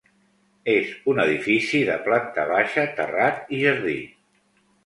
És un edifici de planta baixa, terrat i jardí.